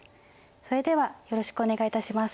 それではよろしくお願いいたします。